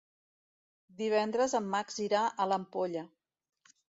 Divendres en Max irà a l'Ampolla.